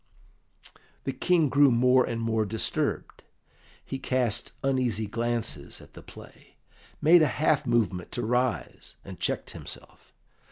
The King grew more and more disturbed; he cast uneasy glances at the play, made a half movement to rise, and checked himself.